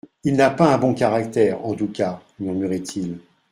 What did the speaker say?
Il n'a pas un bon caractère, en tout cas, murmurait-il.